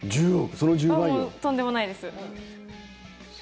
もうとんでもないです。